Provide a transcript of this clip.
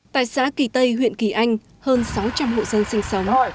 tại xã kỳ tây huyện kỳ anh hơn sáu trăm linh hộ dân sinh sống